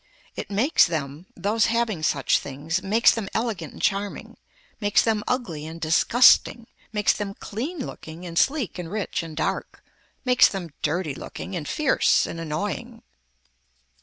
It makes them, those having such things, makes them elegant and charming, makes them ugly and disgusting, makes them clean looking and sleek and rich and dark, makes them dirty looking and fierce and annoying.